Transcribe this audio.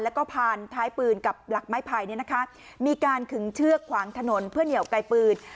แล้วก็ผ่านท้ายปืนกับหลักไม้ไผ่มีการขึงเชือกขวางถนนเพื่อเหนียวไกลปืน